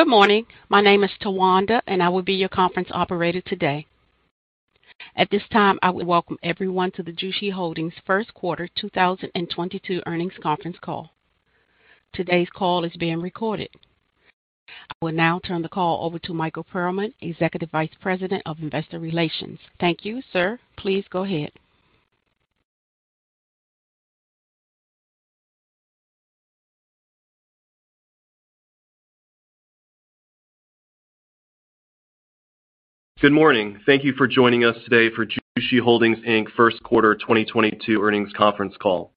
Good morning. My name is Tawanda, and I will be your conference operator today. At this time, I would welcome everyone to the Jushi Holdings First Quarter 2022 Earnings Conference Call. Today's call is being recorded. I will now turn the call over to Michael Perlman, Executive Vice President of Investor Relations. Thank you, sir. Please go ahead. Good morning. Thank you for joining us today for Jushi Holdings, Inc. First Quarter 2022 Earnings Conference Call.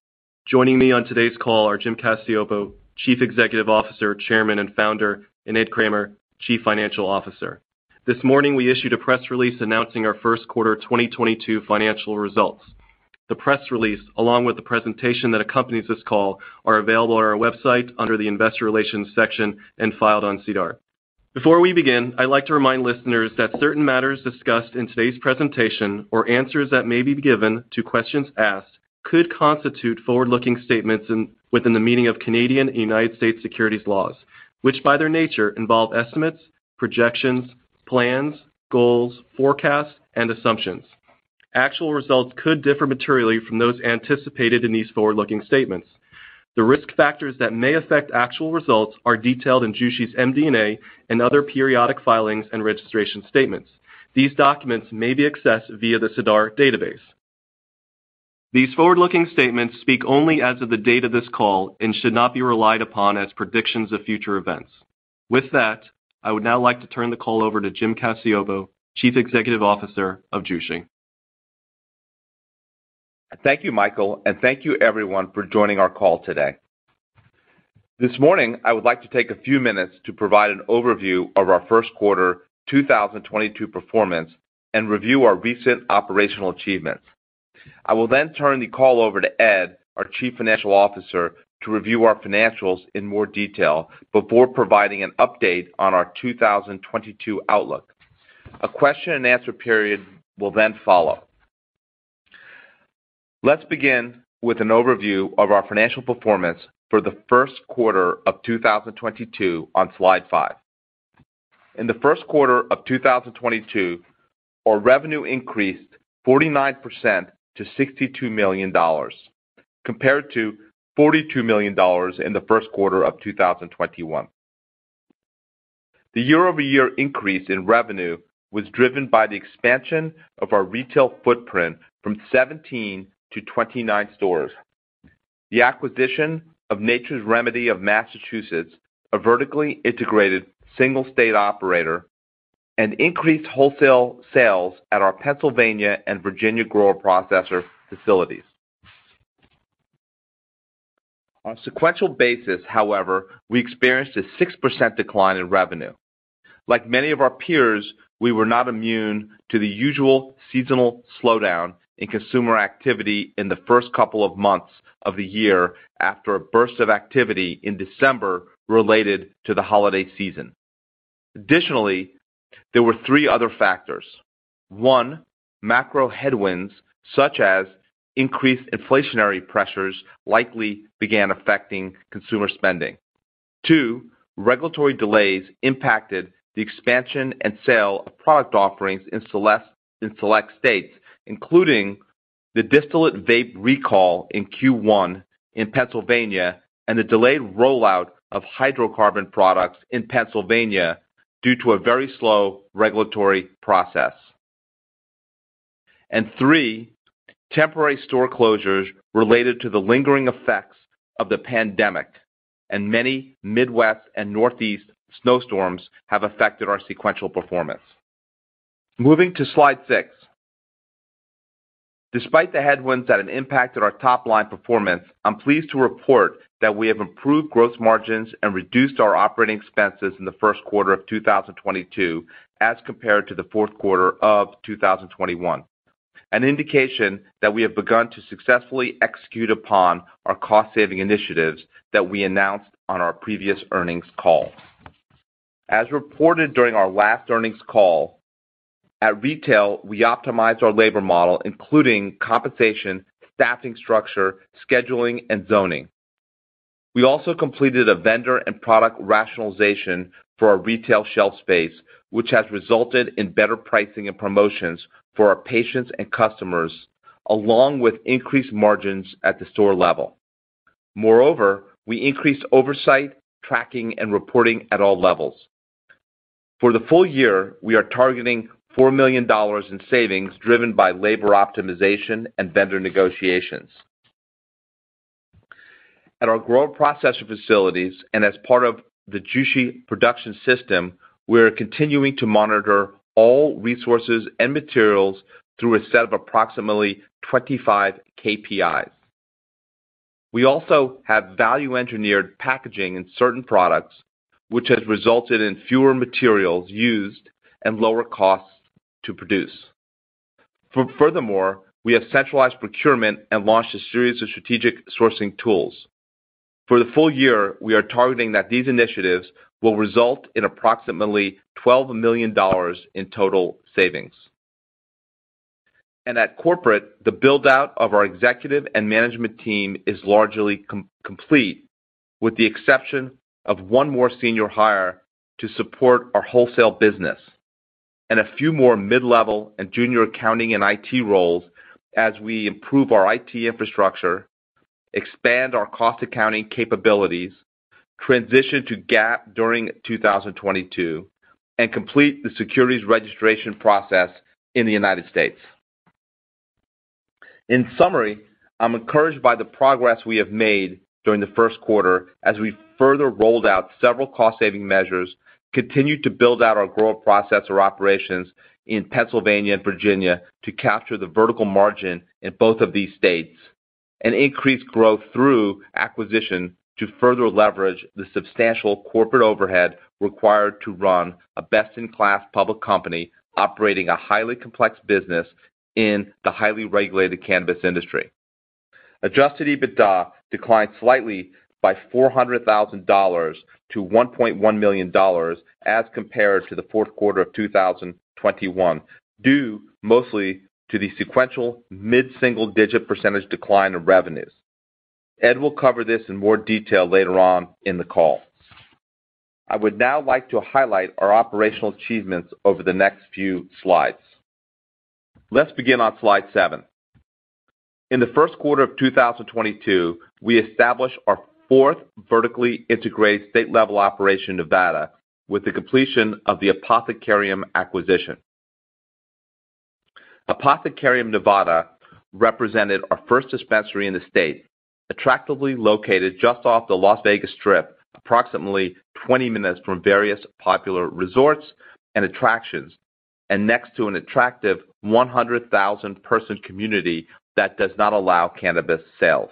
Joining me on today's call are Jim Cacioppo, Chief Executive Officer, Chairman and Founder, and Ed Kramer, Chief Financial Officer. This morning, we issued a press release announcing our First Quarter 2022 Financial Results. The press release, along with the presentation that accompanies this call, are available on our website under the Investor Relations section and filed on SEDAR. Before we begin, I'd like to remind listeners that certain matters discussed in today's presentation or answers that may be given to questions asked could constitute forward-looking statements within the meaning of U.S. and Canadian securities laws, which by their nature involve estimates, projections, plans, goals, forecasts and assumptions. Actual results could differ materially from those anticipated in these forward-looking statements. The risk factors that may affect actual results are detailed in Jushi's MD&A in other periodic filings and registration statements. These documents may be accessed via the SEDAR database. These forward-looking statements speak only as of the date of this call and should not be relied upon as predictions of future events. With that, I would now like to turn the call over to Jim Cacioppo, Chief Executive Officer of Jushi. Thank you, Michael, and thank you everyone for joining our call today. This morning, I would like to take a few minutes to provide an overview of our first quarter 2022 performance and review our recent operational achievements. I will then turn the call over to Ed, our Chief Financial Officer, to review our financials in more detail before providing an update on our 2022 outlook. A question and answer period will then follow. Let's begin with an overview of our financial performance for the first quarter of 2022 on slide five. In the first quarter of 2022, our revenue increased 49% to $62 million, compared to $42 million in the first quarter of 2021. The year-over-year increase in revenue was driven by the expansion of our retail footprint from 17 to 29 stores, the acquisition of Nature's Remedy of Massachusetts, a vertically integrated single state operator, and increased wholesale sales at our Pennsylvania and Virginia grower processor facilities. On a sequential basis, however, we experienced a 6% decline in revenue. Like many of our peers, we were not immune to the usual seasonal slowdown in consumer activity in the first couple of months of the year after a burst of activity in December related to the holiday season. Additionally, there were three other factors. One, macro headwinds, such as increased inflationary pressures, likely began affecting consumer spending. Two, regulatory delays impacted the expansion and sale of product offerings in select states, including the distillate vape recall in Q1 in Pennsylvania and the delayed rollout of hydrocarbon products in Pennsylvania due to a very slow regulatory process. Three, temporary store closures related to the lingering effects of the pandemic and many Midwest and Northeast snowstorms have affected our sequential performance. Moving to slide six. Despite the headwinds that have impacted our top-line performance, I'm pleased to report that we have improved gross margins and reduced our operating expenses in the first quarter of 2022 as compared to the fourth quarter of 2021, an indication that we have begun to successfully execute upon our cost-saving initiatives that we announced on our previous earnings call. As reported during our last earnings call, at retail, we optimized our labor model, including compensation, staffing structure, scheduling, and zoning. We also completed a vendor and product rationalization for our retail shelf space, which has resulted in better pricing and promotions for our patients and customers, along with increased margins at the store level. Moreover, we increased oversight, tracking, and reporting at all levels. For the full year, we are targeting $4 million in savings driven by labor optimization and vendor negotiations. At our grower processor facilities and as part of the Jushi Production System, we are continuing to monitor all resources and materials through a set of approximately 25 KPIs. We also have value-engineered packaging in certain products, which has resulted in fewer materials used and lower costs to produce. Furthermore, we have centralized procurement and launched a series of strategic sourcing tools. For the full year, we are targeting that these initiatives will result in approximately $12 million in total savings. At corporate, the build-out of our executive and management team is largely complete, with the exception of one more senior hire to support our wholesale business and a few more mid-level and junior accounting and IT roles as we improve our IT infrastructure, expand our cost accounting capabilities, transition to GAAP during 2022, and complete the securities registration process in the United States. In summary, I'm encouraged by the progress we have made during the first quarter as we further rolled out several cost-saving measures, continued to build out our grow processor operations in Pennsylvania and Virginia to capture the vertical margin in both of these states, and increase growth through acquisition to further leverage the substantial corporate overhead required to run a best-in-class public company operating a highly complex business in the highly regulated cannabis industry. Adjusted EBITDA declined slightly by $400,000 to $1.1 million as compared to the fourth quarter of 2021, due mostly to the sequential mid-single-digit % decline of revenues. Ed will cover this in more detail later on in the call. I would now like to highlight our operational achievements over the next few slides. Let's begin on slide seven. In the first quarter of 2022, we established our fourth vertically integrated state-level operation, Nevada, with the completion of the Apothecarium acquisition. Apothecarium, Nevada, represented our first dispensary in the state, attractively located just off the Las Vegas Strip, approximately 20 minutes from various popular resorts and attractions, and next to an attractive 100,000-person community that does not allow cannabis sales.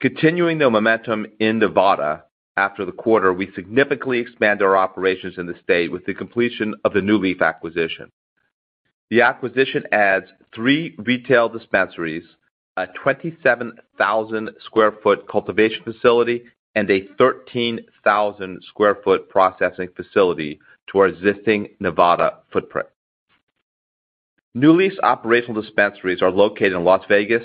Continuing the momentum in Nevada, after the quarter, we significantly expand our operations in the state with the completion of the NuLeaf acquisition. The acquisition adds three retail dispensaries, a 27,000 sq ft cultivation facility, and a 13,000 sq ft processing facility to our existing Nevada footprint. NuLeaf's operational dispensaries are located in Las Vegas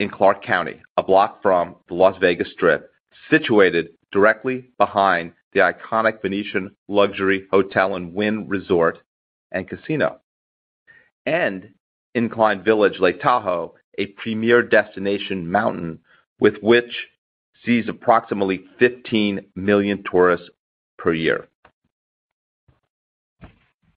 in Clark County, a block from the Las Vegas Strip, situated directly behind the iconic Venetian luxury hotel and Wynn Resorts, and Incline Village, Lake Tahoe, a premier destination mountain which sees approximately 15 million tourists per year.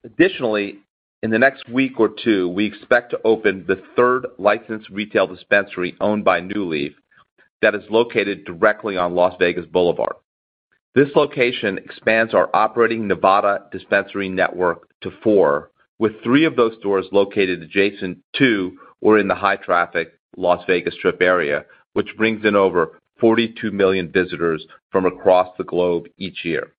Additionally, in the next week or two, we expect to open the third licensed retail dispensary owned by NuLeaf that is located directly on Las Vegas Boulevard. This location expands our operating Nevada dispensary network to four, with three of those stores located adjacent to or in the high-traffic Las Vegas Strip area, which brings in over 42 million visitors from across the globe each year.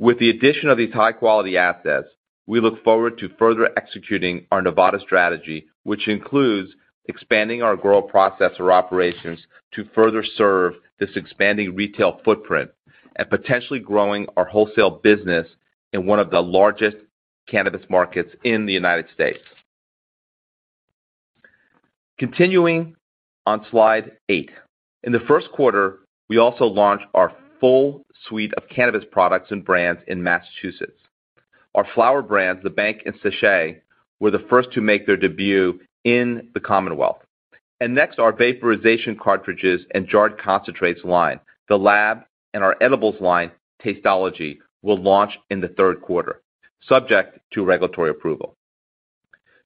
With the addition of these high-quality assets, we look forward to further executing our Nevada strategy, which includes expanding our grow processor operations to further serve this expanding retail footprint and potentially growing our wholesale business in one of the largest cannabis markets in the United States. Continuing on slide eight. In the first quarter, we also launched our full suite of cannabis products and brands in Massachusetts. Our flower brands, The Bank and Sèchè, were the first to make their debut in the Commonwealth. Next, our vaporization cartridges and jarred concentrates line, The Lab, and our edibles line, Tasteology, will launch in the third quarter, subject to regulatory approval.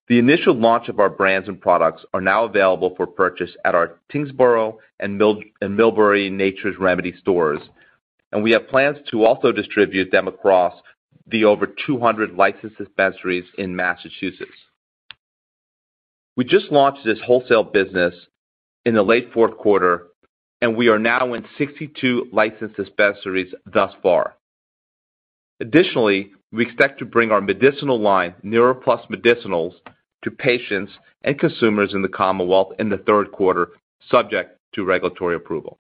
The initial launch of our brands and products are now available for purchase at our Tyngsboro and Millbury Nature's Remedy stores, and we have plans to also distribute them across the over 200 licensed dispensaries in Massachusetts. We just launched this wholesale business in the late fourth quarter, and we are now in 62 licensed dispensaries thus far. Additionally, we expect to bring our medicinal line, Nira+ Medicinals, to patients and consumers in the Commonwealth in the third quarter, subject to regulatory approval.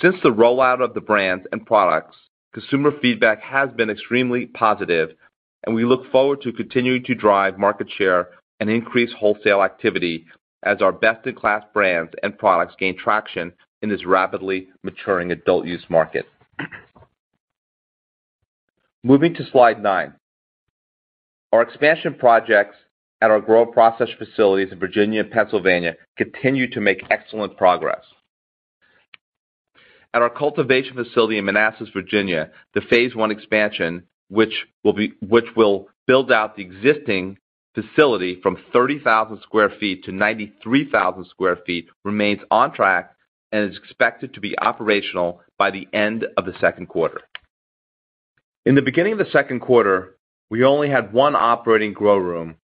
Since the rollout of the brands and products, consumer feedback has been extremely positive, and we look forward to continuing to drive market share and increase wholesale activity as our best-in-class brands and products gain traction in this rapidly maturing adult use market. Moving to slide 9. Our expansion projects at our grow and process facilities in Virginia and Pennsylvania continue to make excellent progress. At our cultivation facility in Manassas, Virginia, the phase one expansion, which will build out the existing facility from 30,000 sq ft to 93,000 sq ft, remains on track and is expected to be operational by the end of the second quarter. In the beginning of the second quarter, we only had one operating grow room,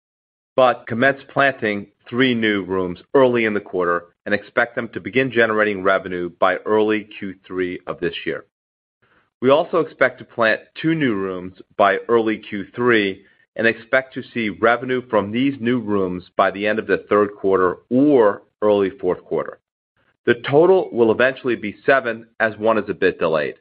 but commenced planting three new rooms early in the quarter and expect them to begin generating revenue by early Q3 of this year. We also expect to plant two new rooms by early Q3 and expect to see revenue from these new rooms by the end of the third quarter or early fourth quarter. The total will eventually be seven as one is a bit delayed.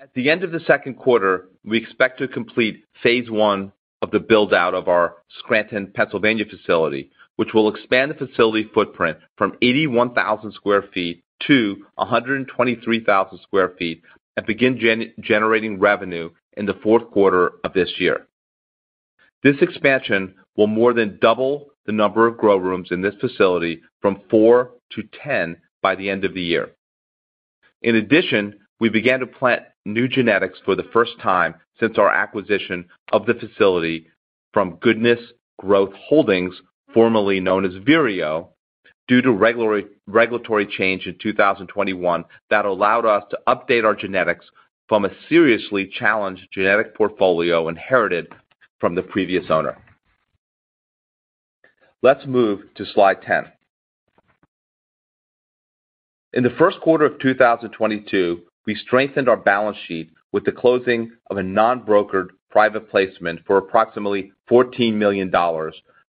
At the end of the second quarter, we expect to complete phase one of the build-out of our Scranton, Pennsylvania facility, which will expand the facility footprint from 81,000 sq ft to 123,000 sq ft and begin generating revenue in the fourth quarter of this year. This expansion will more than double the number of grow rooms in this facility from four to 10 by the end of the year. In addition, we began to plant new genetics for the first time since our acquisition of the facility from Goodness Growth Holdings, formerly known as Vireo, due to regulatory change in 2021 that allowed us to update our genetics from a seriously challenged genetic portfolio inherited from the previous owner. Let's move to slide 10. In the first quarter of 2022, we strengthened our balance sheet with the closing of a non-brokered private placement for approximately $14 million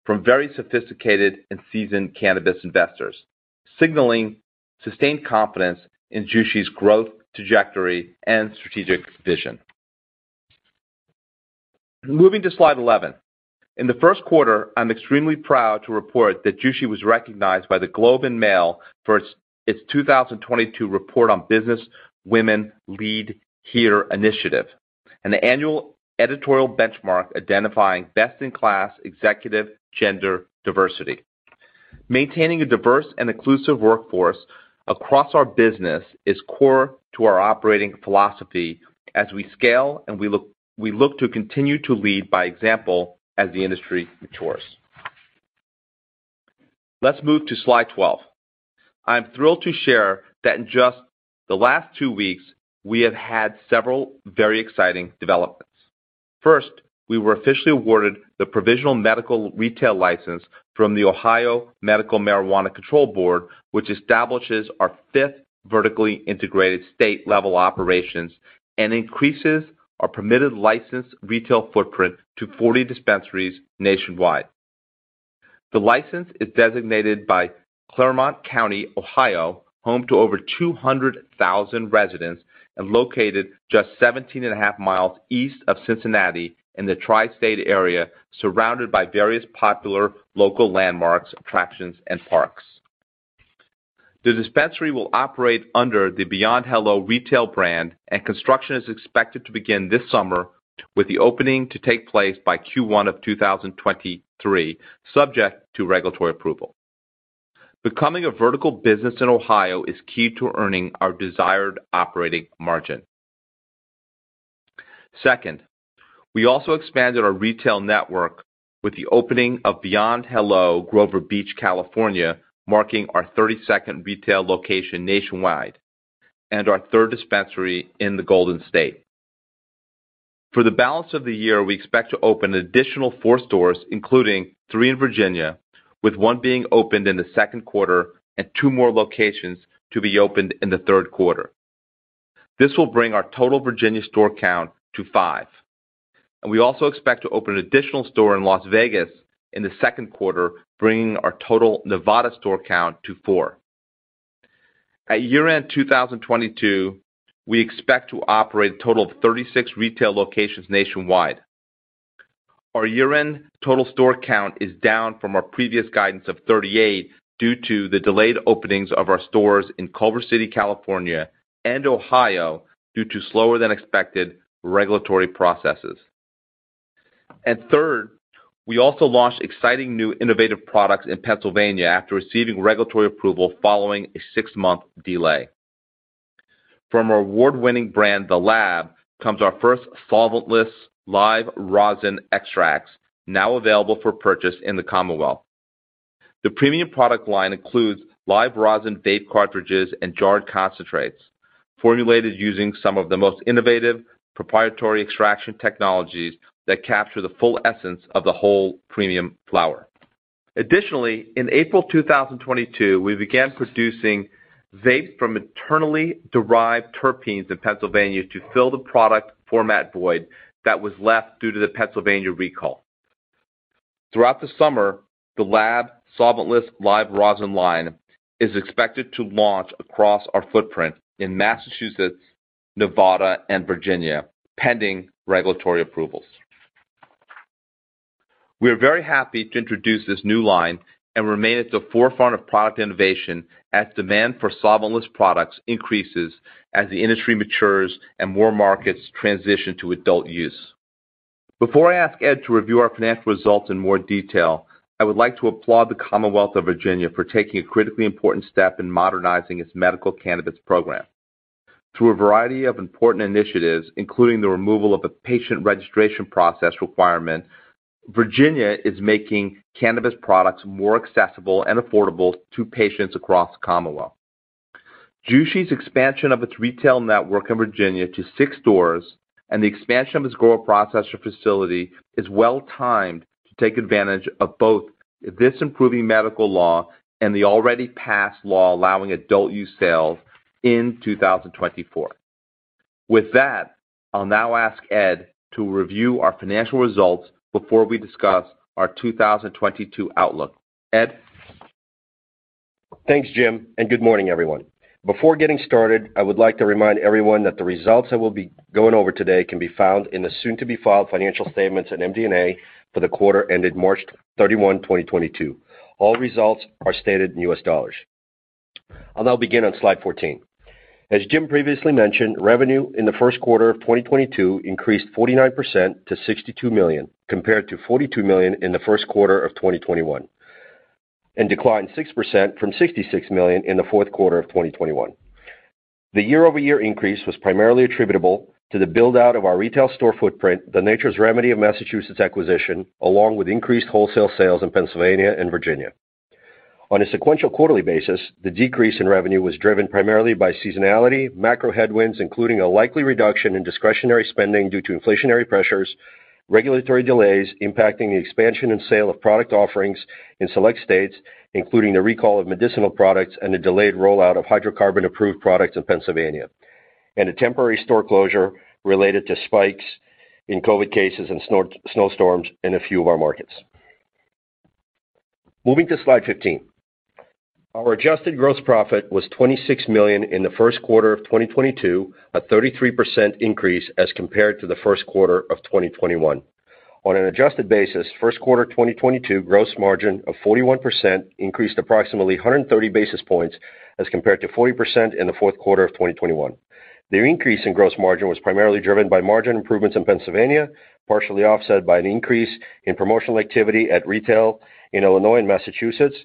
from very sophisticated and seasoned cannabis investors, signaling sustained confidence in Jushi's growth trajectory and strategic vision. Moving to slide 11. In the first quarter, I'm extremely proud to report that Jushi was recognized by The Globe and Mail for its 2022 report on Women Lead Here initiative, an annual editorial benchmark identifying best-in-class executive gender diversity. Maintaining a diverse and inclusive workforce across our business is core to our operating philosophy as we scale and we look to continue to lead by example as the industry matures. Let's move to slide 12. I am thrilled to share that in just the last two weeks, we have had several very exciting developments. First, we were officially awarded the provisional medical retail license from the Ohio Medical Marijuana Control Program, which establishes our fifth vertically integrated state-level operations and increases our permitted licensed retail footprint to 40 dispensaries nationwide. The license is designated by Clermont County, Ohio, home to over 200,000 residents and located just 17.5 miles east of Cincinnati in the tri-state area, surrounded by various popular local landmarks, attractions, and parks. The dispensary will operate under the Beyond Hello retail brand, and construction is expected to begin this summer with the opening to take place by Q1 of 2023, subject to regulatory approval. Becoming a vertical business in Ohio is key to earning our desired operating margin. Second, we also expanded our retail network with the opening of Beyond Hello, Grover Beach, California, marking our 32nd retail location nationwide and our third dispensary in the Golden State. For the balance of the year, we expect to open an additional four stores, including three in Virginia, with one being opened in the second quarter and two more locations to be opened in the third quarter. This will bring our total Virginia store count to five. We also expect to open an additional store in Las Vegas in the second quarter, bringing our total Nevada store count to four. At year-end 2022, we expect to operate a total of 36 retail locations nationwide. Our year-end total store count is down from our previous guidance of 38 due to the delayed openings of our stores in Culver City, California and Ohio due to slower than expected regulatory processes. Third, we also launched exciting new innovative products in Pennsylvania after receiving regulatory approval following a six-month delay. From our award-winning brand, The Lab, comes our first solvent-less live rosin extracts, now available for purchase in the Commonwealth. The premium product line includes live rosin vape cartridges and jarred concentrates, formulated using some of the most innovative proprietary extraction technologies that capture the full essence of the whole premium flower. Additionally, in April 2022, we began producing vapes from internally derived terpenes in Pennsylvania to fill the product format void that was left due to the Pennsylvania recall. Throughout the summer, The Lab solvent-less live rosin line is expected to launch across our footprint in Massachusetts, Nevada, and Virginia, pending regulatory approvals. We are very happy to introduce this new line and remain at the forefront of product innovation as demand for solvent-less products increases as the industry matures and more markets transition to adult use. Before I ask Ed to review our financial results in more detail, I would like to applaud the Commonwealth of Virginia for taking a critically important step in modernizing its medical cannabis program. Through a variety of important initiatives, including the removal of the patient registration process requirement, Virginia is making cannabis products more accessible and affordable to patients across the Commonwealth. Jushi's expansion of its retail network in Virginia to six stores and the expansion of its grow processor facility is well timed to take advantage of both this improving medical law and the already passed law allowing adult use sales in 2024. With that, I'll now ask Ed to review our financial results before we discuss our 2022 outlook. Ed? Thanks, Jim, and good morning, everyone. Before getting started, I would like to remind everyone that the results I will be going over today can be found in the soon-to-be-filed financial statements in MD&A for the quarter ended March 31, 2022. All results are stated in US dollars. I'll now begin on slide 14. As Jim previously mentioned, revenue in the first quarter of 2022 increased 49% to $62 million, compared to $42 million in the first quarter of 2021, and declined 6% from $66 million in the fourth quarter of 2021. The year-over-year increase was primarily attributable to the build-out of our retail store footprint, the Nature's Remedy of Massachusetts acquisition, along with increased wholesale sales in Pennsylvania and Virginia. On a sequential quarterly basis, the decrease in revenue was driven primarily by seasonality, macro headwinds, including a likely reduction in discretionary spending due to inflationary pressures, regulatory delays impacting the expansion and sale of product offerings in select states, including the recall of medicinal products and a delayed rollout of hydrocarbon-approved products in Pennsylvania, and a temporary store closure related to spikes in COVID cases and snowstorms in a few of our markets. Moving to slide 15. Our adjusted gross profit was $26 million in the first quarter of 2022, a 33% increase as compared to the first quarter of 2021. On an adjusted basis, first quarter 2022 gross margin of 41% increased approximately 130 basis points as compared to 40% in the fourth quarter of 2021. The increase in gross margin was primarily driven by margin improvements in Pennsylvania, partially offset by an increase in promotional activity at retail in Illinois and Massachusetts,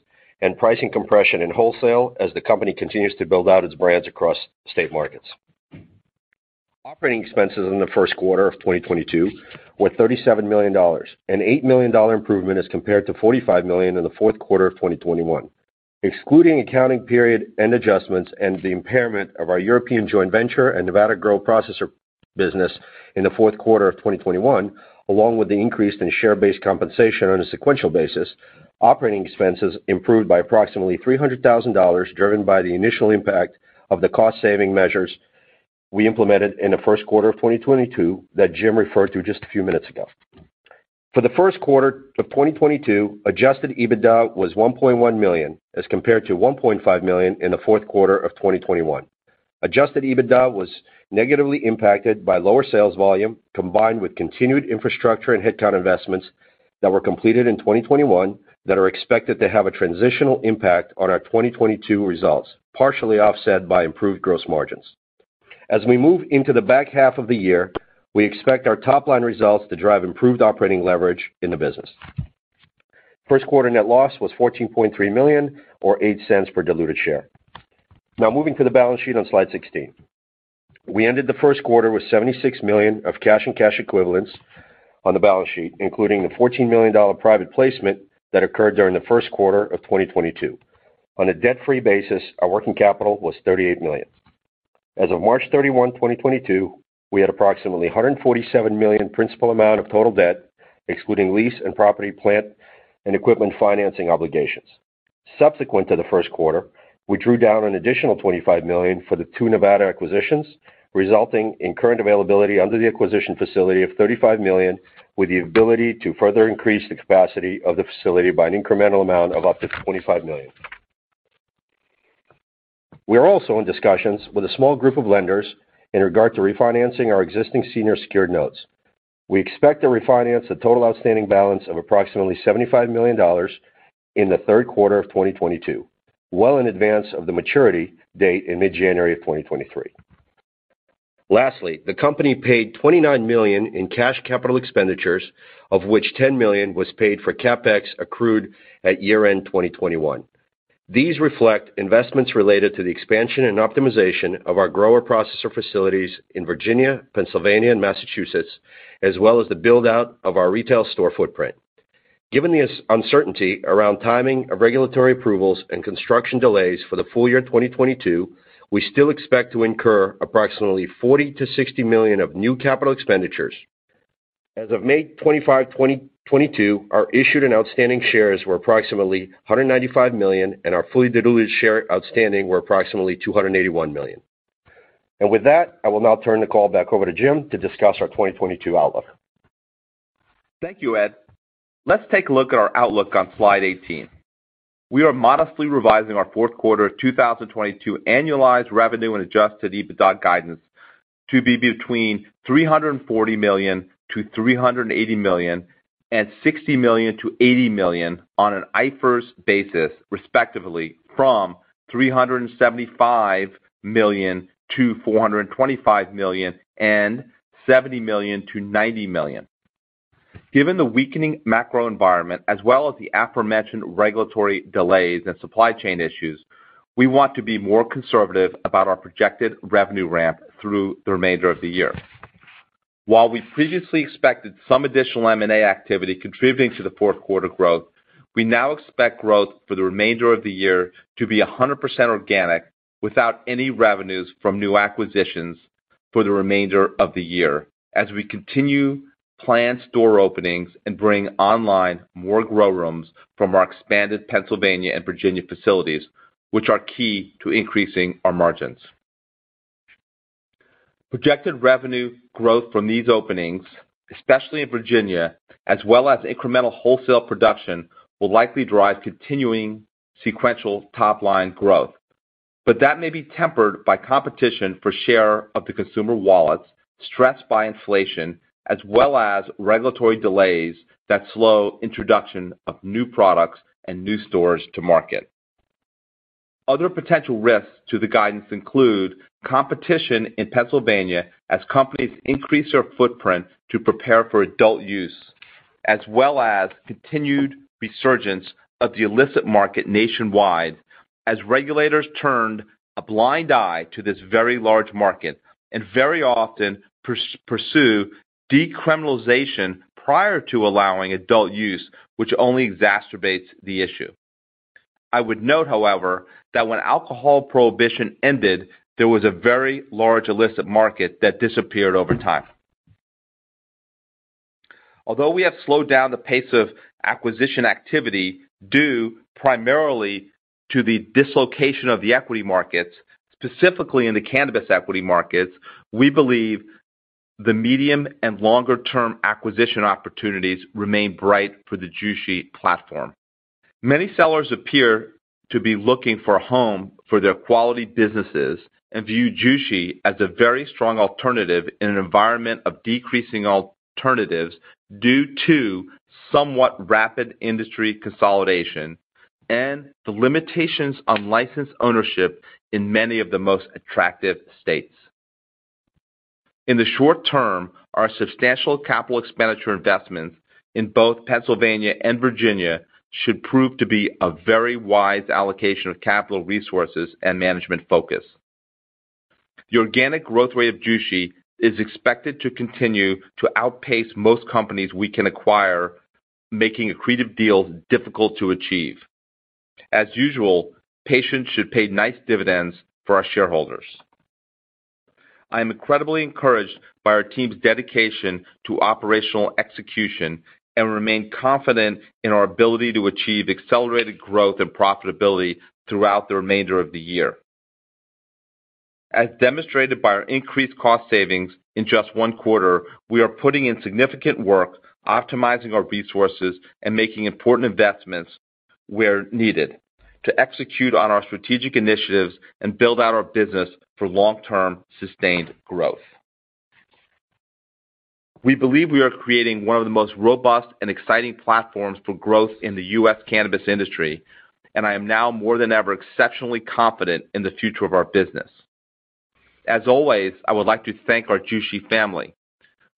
and pricing compression in wholesale as the company continues to build out its brands across state markets. Operating expenses in the first quarter of 2022 were $37 million, an $8 million improvement as compared to $45 million in the fourth quarter of 2021. Excluding accounting period and adjustments and the impairment of our European joint venture and Nevada grow processor business in the fourth quarter of 2021, along with the increase in share-based compensation on a sequential basis, operating expenses improved by approximately $300,000, driven by the initial impact of the cost-saving measures we implemented in the first quarter of 2022 that Jim referred to just a few minutes ago. For the first quarter of 2022, adjusted EBITDA was $1.1 million, as compared to $1.5 million in the fourth quarter of 2021. Adjusted EBITDA was negatively impacted by lower sales volume, combined with continued infrastructure and headcount investments that were completed in 2021 that are expected to have a transitional impact on our 2022 results, partially offset by improved gross margins. As we move into the back half of the year, we expect our top-line results to drive improved operating leverage in the business. First quarter net loss was $14.3 million or $0.08 per diluted share. Now moving to the balance sheet on slide 16. We ended the first quarter with $76 million of cash and cash equivalents on the balance sheet, including the $14 million private placement that occurred during the first quarter of 2022. On a debt-free basis, our working capital was $38 million. As of March 31, 2022, we had approximately $147 million principal amount of total debt, excluding lease and property, plant, and equipment financing obligations. Subsequent to the first quarter, we drew down an additional $25 million for the two Nevada acquisitions, resulting in current availability under the acquisition facility of $35 million, with the ability to further increase the capacity of the facility by an incremental amount of up to $25 million. We are also in discussions with a small group of lenders in regard to refinancing our existing senior secured notes. We expect to refinance a total outstanding balance of approximately $75 million in the third quarter of 2022, well in advance of the maturity date in mid-January of 2023. Lastly, the company paid $29 million in cash capital expenditures, of which $10 million was paid for CapEx accrued at year-end 2021. These reflect investments related to the expansion and optimization of our grower-processor facilities in Virginia, Pennsylvania, and Massachusetts, as well as the build-out of our retail store footprint. Given the uncertainty around timing of regulatory approvals and construction delays for the full year 2022, we still expect to incur approximately $40 million-$60 million of new capital expenditures. As of May 25, 2022, our issued and outstanding shares were approximately 195 million, and our fully diluted share outstanding were approximately 281 million. With that, I will now turn the call back over to Jim to discuss our 2022 outlook. Thank you, Ed. Let's take a look at our outlook on slide 18. We are modestly revising our fourth quarter of 2022 annualized revenue and adjusted EBITDA guidance to be between $340 million-$380 million and $60 million-$80 million on an IFRS basis, respectively from $375 million-$425 million and $70 million-$90 million. Given the weakening macro environment as well as the aforementioned regulatory delays and supply chain issues, we want to be more conservative about our projected revenue ramp through the remainder of the year. While we previously expected some additional M&A activity contributing to the fourth quarter growth, we now expect growth for the remainder of the year to be 100% organic without any revenues from new acquisitions for the remainder of the year as we continue planned store openings and bring online more grow rooms from our expanded Pennsylvania and Virginia facilities, which are key to increasing our margins. Projected revenue growth from these openings, especially in Virginia, as well as incremental wholesale production, will likely drive continuing sequential top-line growth. That may be tempered by competition for share of the consumer wallets, stressed by inflation, as well as regulatory delays that slow introduction of new products and new stores to market. Other potential risks to the guidance include competition in Pennsylvania as companies increase their footprint to prepare for adult use, as well as continued resurgence of the illicit market nationwide as regulators turned a blind eye to this very large market and very often pursue decriminalization prior to allowing adult use, which only exacerbates the issue. I would note, however, that when alcohol prohibition ended, there was a very large illicit market that disappeared over time. Although we have slowed down the pace of acquisition activity due primarily to the dislocation of the equity markets, specifically in the cannabis equity markets, we believe the medium and longer-term acquisition opportunities remain bright for the Jushi platform. Many sellers appear to be looking for a home for their quality businesses and view Jushi as a very strong alternative in an environment of decreasing alternatives due to somewhat rapid industry consolidation and the limitations on license ownership in many of the most attractive states. In the short term, our substantial capital expenditure investments in both Pennsylvania and Virginia should prove to be a very wise allocation of capital resources and management focus. The organic growth rate of Jushi is expected to continue to outpace most companies we can acquire, making accretive deals difficult to achieve. As usual, patience should pay nice dividends for our shareholders. I am incredibly encouraged by our team's dedication to operational execution and remain confident in our ability to achieve accelerated growth and profitability throughout the remainder of the year. As demonstrated by our increased cost savings in just one quarter, we are putting in significant work optimizing our resources and making important investments where needed to execute on our strategic initiatives and build out our business for long-term sustained growth. We believe we are creating one of the most robust and exciting platforms for growth in the U.S. cannabis industry, and I am now more than ever exceptionally confident in the future of our business. As always, I would like to thank our Jushi family.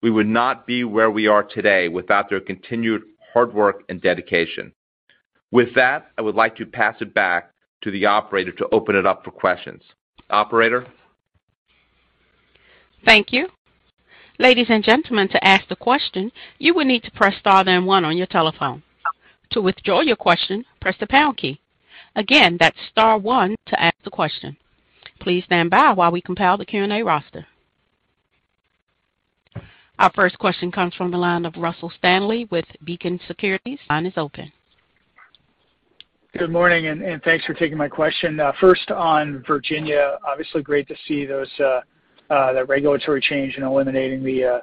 We would not be where we are today without their continued hard work and dedication. With that, I would like to pass it back to the operator to open it up for questions. Operator? Thank you. Ladies and gentlemen, to ask the question, you will need to press star, then one on your telephone. To withdraw your question, press the pound key. Again, that's star one to ask the question. Please stand by while we compile the Q&A roster. Our first question comes from the line of Russell Stanley with Beacon Securities. Line is open. Good morning, thanks for taking my question. First on Virginia, obviously great to see the regulatory change in eliminating the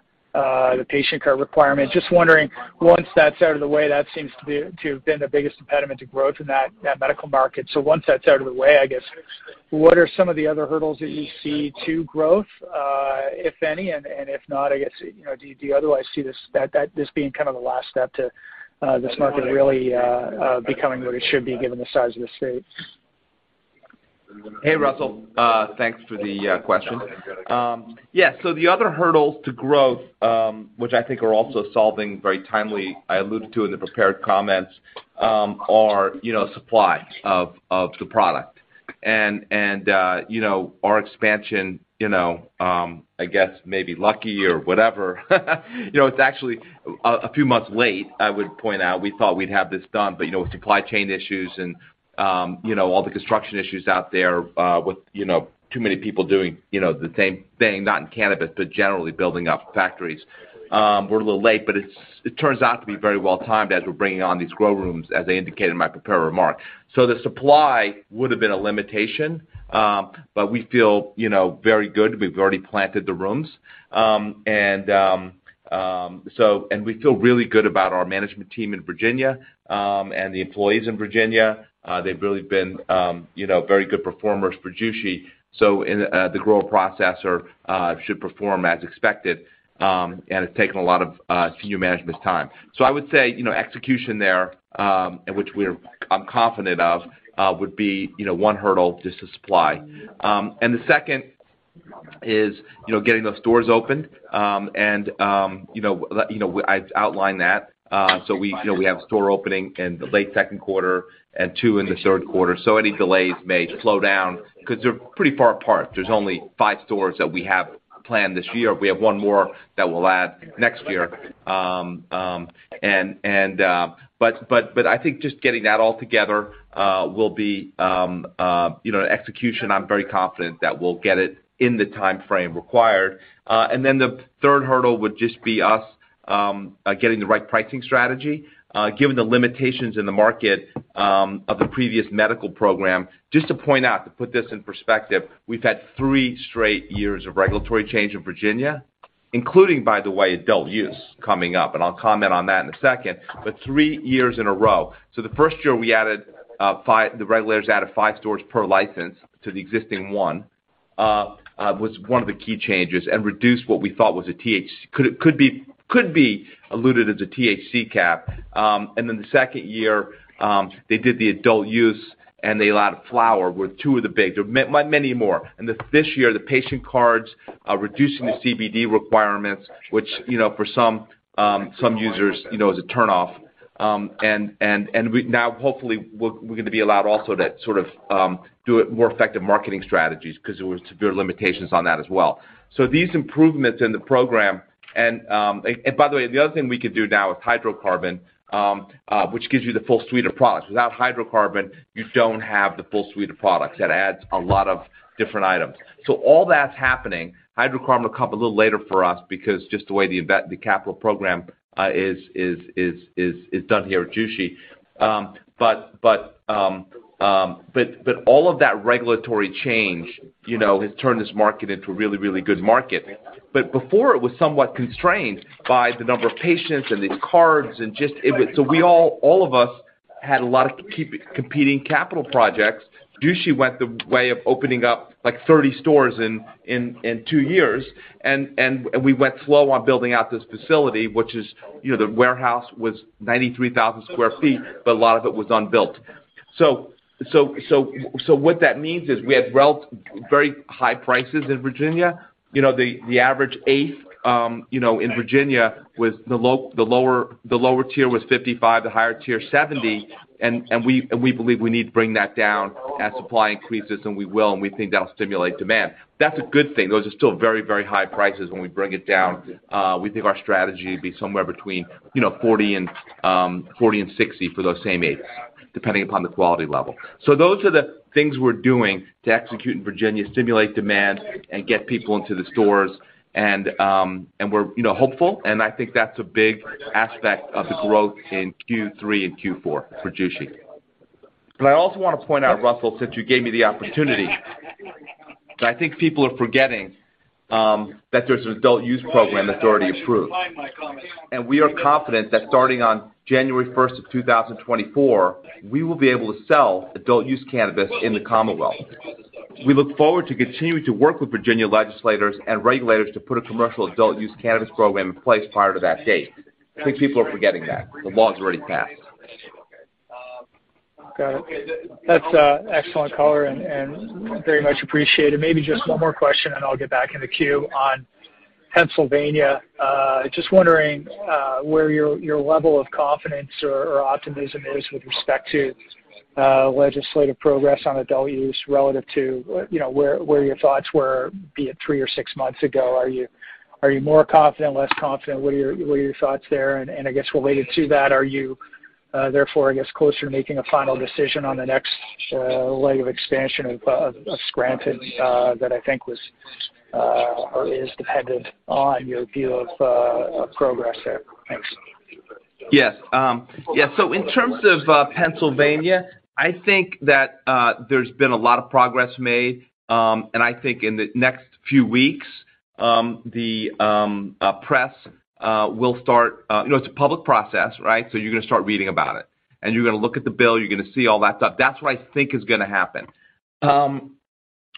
patient card requirement. Just wondering once that's out of the way, that seems to have been the biggest impediment to growth in that medical market. Once that's out of the way, I guess what are some of the other hurdles that you see to growth, if any, and if not, I guess do you otherwise see this being kind of the last step to this market really becoming what it should be given the size of the state? Hey, Russell. Thanks for the question. Yeah, the other hurdles to growth, which I think are also solving very timely, I alluded to in the prepared comments, are supply of the product. Our expansion I guess maybe lucky or whatever, it's actually a few months late, I would point out. We thought we'd have this done, but with supply chain issues and all the construction issues out there with too many people doing the same thing, not in cannabis, but generally building up factories. We're a little late, but it turns out to be very well timed as we're bringing on these grow rooms, as I indicated in my prepared remark. The supply would have been a limitation, but we feel very good. We've already planted the rooms. We feel really good about our management team in Virginia, and the employees in Virginia. They've really been very good performers for Jushi. In the grow processor should perform as expected, and it's taken a lot of senior management's time. I would say execution there, and I'm confident of would be one hurdle just to supply. The second is getting those stores opened I outlined that. We have store opening in the late second quarter and two in the third quarter. Any delays may slow down because they're pretty far apart. There's only five stores that we have planned this year. We have one more that we'll add next year. I think just getting that all together will be execution. I'm very confident that we'll get it in the timeframe required. The third hurdle would just be us getting the right pricing strategy, given the limitations in the market, of the previous medical program. Just to point out, to put this in perspective, we've had three straight years of regulatory change in Virginia, including, by the way, adult use coming up, and I'll comment on that in a second, but three years in a row. The first year the regulators added five stores per license to the existing one was one of the key changes and reduced what we thought was a THC cap that could be alluded to as a THC cap. Then the second year they did the adult use, and they allowed flower were two of the big. There are many more. This year the patient cards are reducing the CBD requirements, which for some users is a turn-off. And we now, hopefully, we're gonna be allowed also to sort of do more effective marketing strategies because there was severe limitations on that as well. These improvements in the program and. By the way, the other thing we could do now with hydrocarbon, which gives you the full suite of products. Without hydrocarbon, you don't have the full suite of products. That adds a lot of different items. All that's happening, hydrocarbon will come a little later for us because just the way the capital program is done here at Jushi. But all of that regulatory change has turned this market into a really, really good market. Before it was somewhat constrained by the number of patients and these cards and just it was. We all of us had a lot of competing capital projects. Jushi went the way of opening up, like, 30 stores in two years. We went slow on building out this facility, which is the warehouse was 93,000 sq ft, but a lot of it was unbuilt. What that means is we had very high prices in Virginia. The average eighth in Virginia was the lower tier $55, the higher tier $70. We believe we need to bring that down as supply increases, and we will, and we think that'll stimulate demand. That's a good thing. Those are still very high prices when we bring it down. We think our strategy would be somewhere between $40 and $60 for those same eights, depending upon the quality level. Those are the things we're doing to execute in Virginia, stimulate demand and get people into the stores. We're hopeful, and I think that's a big aspect of the growth in Q3 and Q4 for Jushi. I also want to point out, Russell, since you gave me the opportunity, and I think people are forgetting that there's an adult use program that's already approved. We are confident that starting on January 1, 2024, we will be able to sell adult use cannabis in the Commonwealth. We look forward to continuing to work with Virginia legislators and regulators to put a commercial adult use cannabis program in place prior to that date. I think people are forgetting that. The law is already passed. Got it. That's excellent color and very much appreciated. Maybe just one more question, and I'll get back in the queue. On Pennsylvania, just wondering where your level of confidence or optimism is with respect to legislative progress on adult use relative to where your thoughts were, be it three or six months ago. Are you more confident, less confident? What are your thoughts there? And I guess related to that, are you therefore closer to making a final decision on the next leg of expansion of Scranton that I think was or is dependent on your view of progress there? Thanks. Yes. Yeah. In terms of Pennsylvania, I think that there's been a lot of progress made. I think in the next few weeks, the press will start. It's a public process, right? You're gonna start reading about it, and you're gonna look at the bill, you're gonna see all that stuff. That's what I think is gonna happen.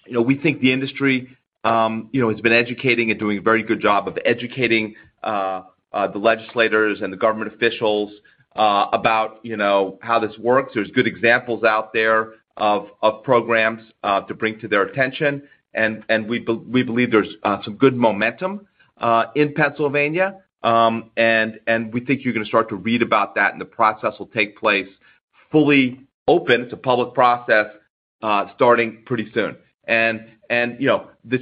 We think the industry has been educating and doing a very good job of educating the legislators and the government officials about how this works. There's good examples out there of programs to bring to their attention. We believe there's some good momentum in Pennsylvania. We think you're gonna start to read about that and the process will take place fully open to public process starting pretty soon. The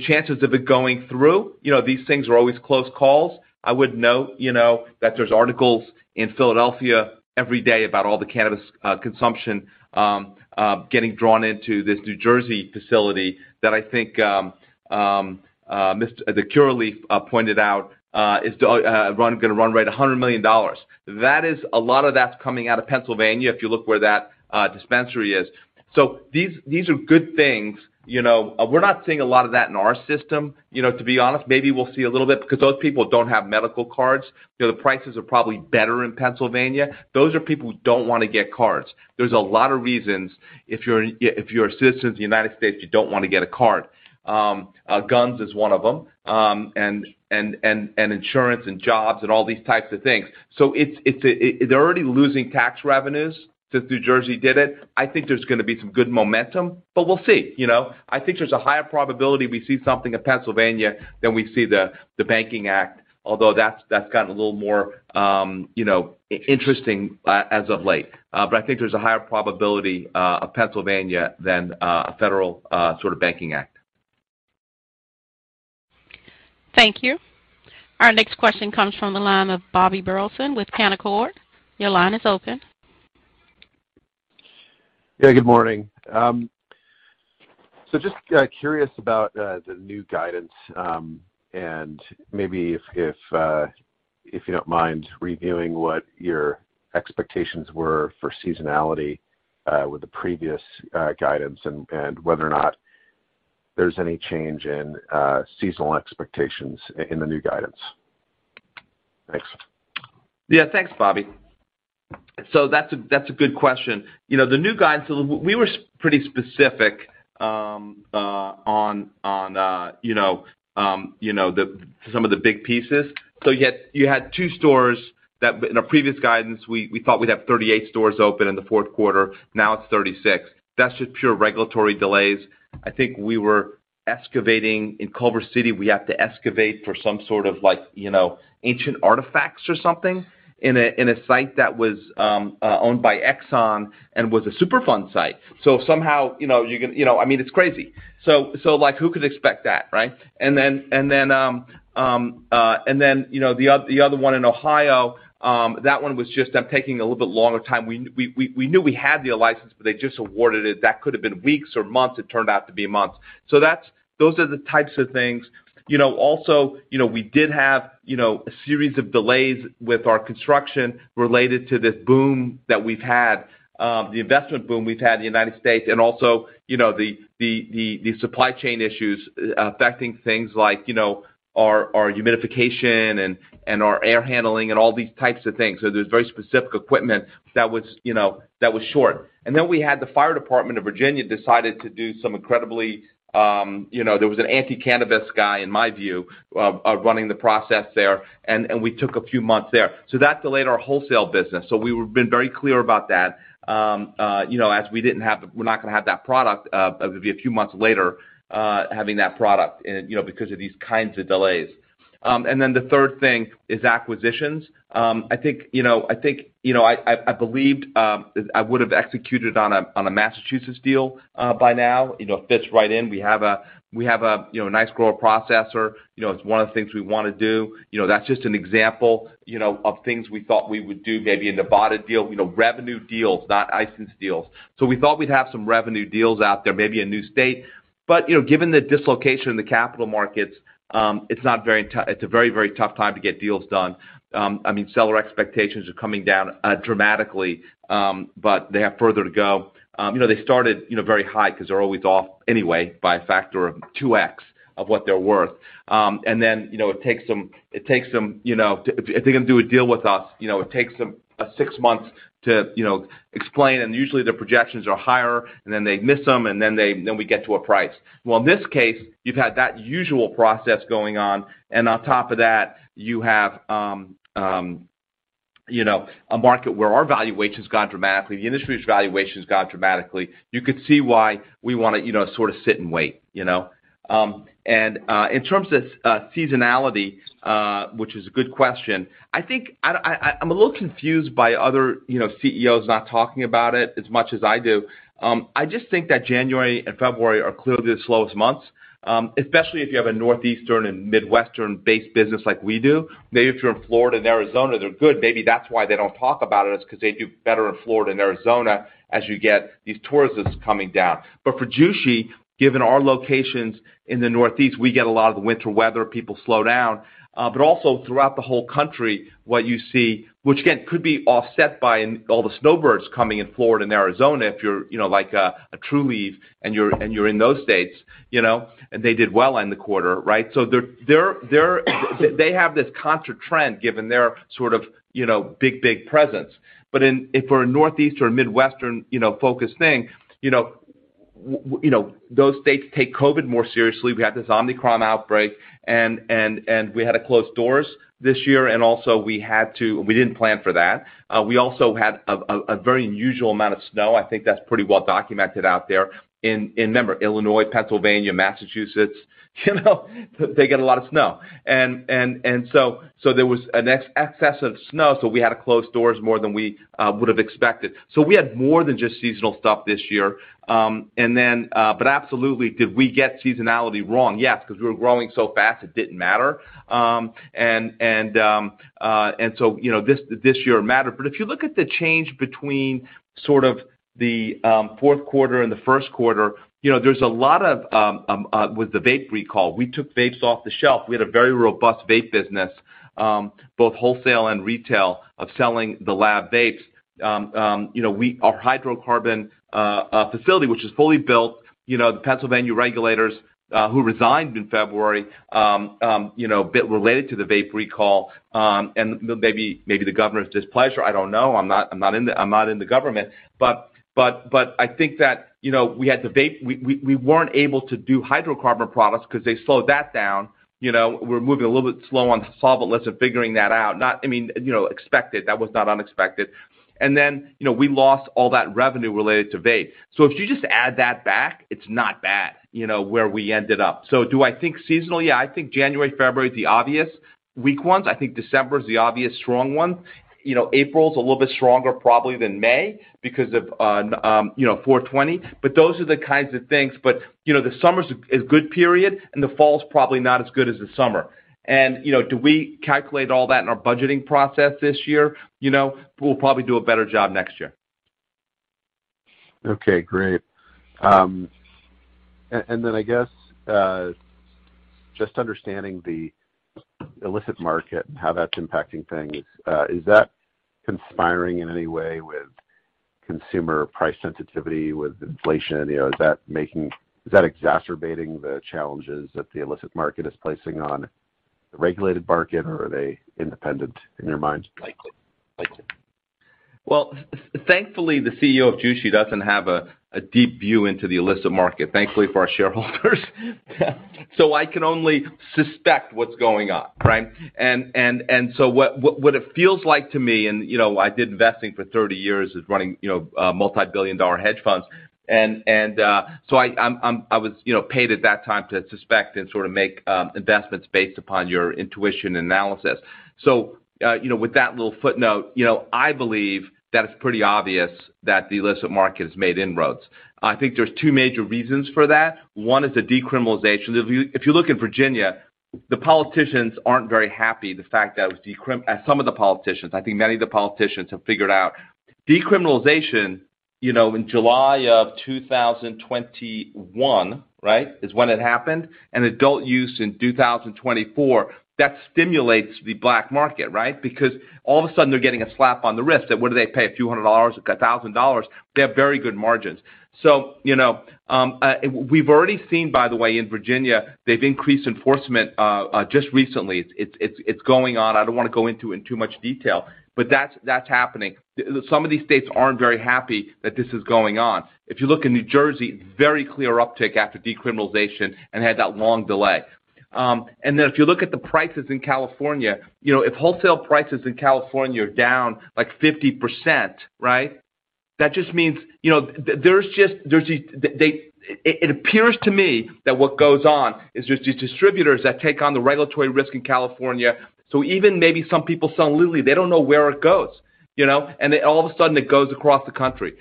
chances of it going through these things are always close calls. I would note that there are articles in Philadelphia every day about all the cannabis consumption getting drawn into this New Jersey facility that I think Curaleaf pointed out is gonna run right $100 million. That is, a lot of that's coming out of Pennsylvania, if you look where that dispensary is. These are good things. We're not seeing a lot of that in our system to be honest. Maybe we'll see a little bit because those people don't have medical cards. The prices are probably better in Pennsylvania. Those are people who don't wanna get cards. There's a lot of reasons if you're a citizen of the United States, you don't want to get a card. Guns is one of them, and insurance and jobs and all these types of things. It's. They're already losing tax revenues since New Jersey did it. I think there's gonna be some good momentum, but we'll see. I think there's a higher probability we see something in Pennsylvania than we see the Banking Act, although that's gotten a little more interesting as of late. I think there's a higher probability of Pennsylvania than a federal sort of Banking Act. Thank you. Our next question comes from the line of Bobby Burleson with Canaccord. Your line is open. Yeah. Good morning. Just curious about the new guidance, and maybe if you don't mind reviewing what your expectations were for seasonality with the previous guidance and whether or not there's any change in seasonal expectations in the new guidance. Thanks. Yeah, thanks, Bobby. That's a good question. The new guidance, we were pretty specific on some of the big pieces. You had two stores that in our previous guidance, we thought we'd have 38 stores open in the fourth quarter. Now it's 36. That's just pure regulatory delays. I think we were excavating. In Culver City, we have to excavate for some sort of like ancient artifacts or something in a site that was owned by Exxon and was a Superfund site. Somehow, it's crazy. Like, who could expect that, right? The other one in Ohio, that one was just taking a little bit longer time. We knew we had the license, but they just awarded it. That could have been weeks or months. It turned out to be months. So that's, those are the types of things. Also, we did have a series of delays with our construction related to this boom that we've had, the investment boom we've had in the United States and also, the supply chain issues affecting things like our humidification and our air handling and all these types of things. So there's very specific equipment that was short. Then we had the fire department of Virginia decided to do some incredibly there was an anti-cannabis guy, in my view, running the process there, and we took a few months there. That delayed our wholesale business, so we have been very clear about that as we're not gonna have that product, it'll be a few months later, having that product and because of these kinds of delays. The third thing is acquisitions. I believed, I would have executed on a Massachusetts deal, by now. It fits right in, we have a nice grower processor. It's one of the things we wanna do. that's just an example of things we thought we would do maybe in a bought deal revenue deals, not license deals. We thought we'd have some revenue deals out there, maybe a new state. Given the dislocation in the capital markets, it's a very, very tough time to get deals done. I mean, seller expectations are coming down dramatically, but they have further to go. They started very high, 'cause they're always off anyway by a factor of 2x of what they're worth. Then it takes them to. If they're gonna do a deal with us it takes them six months to explain, and usually the projections are higher, and then they miss them, and then we get to a price. Well, in this case, you've had that usual process going on, and on top of that, you have a market where our valuation's gone dramatically. The industry's valuations gone dramatically. You could see why we wanna sort of sit and wait. In terms of seasonality, which is a good question, I think I'm a little confused by other CEOs not talking about it as much as I do. I just think that January and February are clearly the slowest months, especially if you have a Northeastern and Midwestern based business like we do. Maybe if you're in Florida and Arizona, they're good. Maybe that's why they don't talk about it is because they do better in Florida and Arizona as you get these tourists coming down. But for Jushi, given our locations in the Northeast, we get a lot of the winter weather. People slow down. But also throughout the whole country, what you see, which again could be offset by all the snowbirds coming in Florida and Arizona, if you're like a Trulieve and you're in those states and they did well in the quarter, right? So they have this counter trend given their sort of big presence. If we're a Northeast or Midwestern focused thing those states take COVID more seriously. We had this Omicron outbreak and we had to close doors this year, and also we had to. We didn't plan for that. We also had a very unusual amount of snow. I think that's pretty well documented out there. In Illinois, Pennsylvania, Massachusetts they get a lot of snow. So there was an excess of snow, so we had to close doors more than we would have expected. We had more than just seasonal stuff this year. Absolutely, did we get seasonality wrong? Yes, 'cause we were growing so fast, it didn't matter. You know, this year it mattered. If you look at the change between sort of the fourth quarter and the first quarter, there's a lot of with the vape recall. We took vapes off the shelf. We had a very robust vape business, both wholesale and retail of selling The Lab Vapes. Our hydrocarbon facility, which is fully built, the Pennsylvania regulators who resigned in February, but related to the vape recall, and maybe the governor's displeasure. I don't know. I'm not in the government. I think that we had the vape. We weren't able to do hydrocarbon products because they slowed that down. We're moving a little bit slow on the sales, but a lot of figuring that out. Not unexpected. I mean expected. That was not unexpected, we lost all that revenue related to vape. If you just add that back, it's not bad where we ended up. Do I think seasonal? Yeah. I think January, February, the obvious weak ones. I think December is the obvious strong one. April's a little bit stronger probably than May because of 4/20. Those are the kinds of things. The summer's a good period, and the fall's probably not as good as the summer, do we calculate all that in our budgeting process this year? We'll probably do a better job next year. Okay, great. And then I guess just understanding the illicit market and how that's impacting things, is that conspiring in any way with consumer price sensitivity, with inflation? Is that exacerbating the challenges that the illicit market is placing on the regulated market, or are they independent in your mind? Likely. Well, thankfully, the CEO of Jushi doesn't have a deep view into the illicit market, thankfully for our shareholders. I can only suspect what's going on, right? What it feels like to me, and I did investing for 30 years running multi-billion dollar hedge funds. I was paid at that time to suspect and sort of make investments based upon pure intuition and analysis. With that little footnote I believe that it's pretty obvious that the illicit market has made inroads. I think there's two major reasons for that. One is the decriminalization. If you look in Virginia, the politicians aren't very happy the fact that it was some of the politicians, I think many of the politicians have figured out decriminalization, in July of 2021, right, is when it happened, and adult use in 2024, that stimulates the black market, right? Because all of a sudden they're getting a slap on the wrist that what do they pay, a few hundred dollars, $1,000? They have very good margins. We've already seen, by the way, in Virginia, they've increased enforcement just recently. It's going on. I don't want to go into too much detail, but that's happening. Some of these states aren't very happy that this is going on. If you look in New Jersey, very clear uptick after decriminalization and had that long delay. If you look at the prices in California If wholesale prices in California are down, like, 50%, right? That just means it appears to me that what goes on is there's these distributors that take on the regulatory risk in California. Even maybe some people selling illegally, they don't know where it goes and all of a sudden it goes across the country.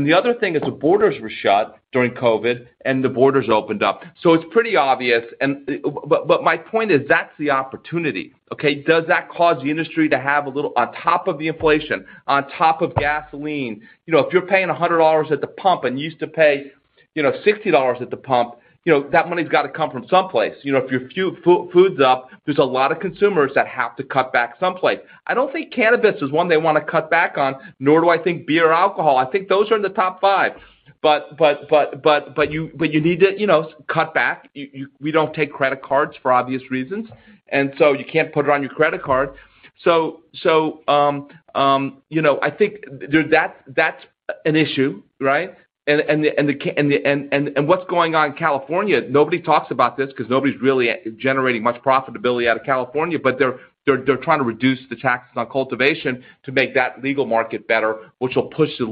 The other thing is the borders were shut during COVID, and the borders opened up. It's pretty obvious. But my point is that's the opportunity, okay. Does that cause the industry to have a little on top of the inflation, on top of gasoline? If you're paying $100 at the pump and used to pay $60 at the pump, that money's got to come from someplace. If your food's up, there's a lot of consumers that have to cut back someplace. I don't think cannabis is one they want to cut back on, nor do I think beer or alcohol. I think those are in the top five. You need to cut back. We don't take credit cards for obvious reasons, and so you can't put it on your credit card, I think that's an issue, right? What's going on in California, nobody talks about this because nobody's really generating much profitability out of California, but they're trying to reduce the taxes on cultivation to make that legal market better, which will push the